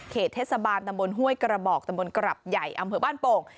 เทศบาลตำบลห้วยกระบอกตำบลกรับใหญ่อำเภอบ้านโป่ง